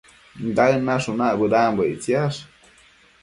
Daëd nashunac bëdanbo ictsiash